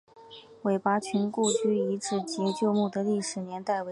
韦拔群故居遗址及旧墓的历史年代为近代。